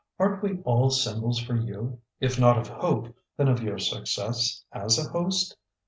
"Aren't we all symbols for you if not of hope, then of your success as a host?